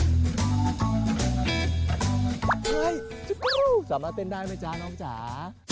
สามารถเต้นได้ไหมจ๊ะน้องจ๋า